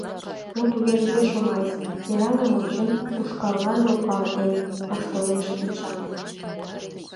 — Мо тугеже пеш оҥайыс: мераҥым ончен, ушкаллан логалтен, — воштылеш Эчан.